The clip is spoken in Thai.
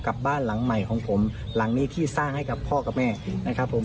บ้านหลังใหม่ของผมหลังนี้ที่สร้างให้กับพ่อกับแม่นะครับผม